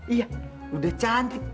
iya udah cantik